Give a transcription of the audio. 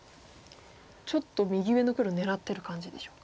ちょっと右上の黒狙ってる感じでしょうかね。